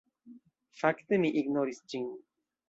Fakte mi ignoris ĝin.